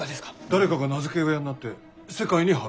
誰かが名付け親になって世界に発表する。